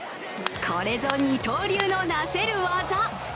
これぞ二刀流のなせる技。